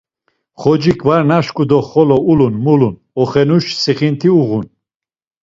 Xocik var naşku do xolo ulun mulun, oxenuş sixinti uğun.